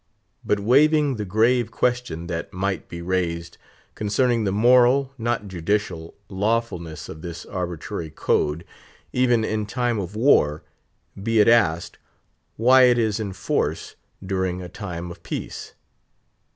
But waiving the grave question that might be raised concerning the moral, not judicial, lawfulness of this arbitrary code, even in time of war; be it asked, why it is in force during a time of peace?